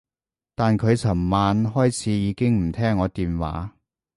但佢噚晚開始已經唔聽我電話